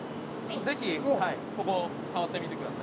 ぜひここ触ってみて下さい。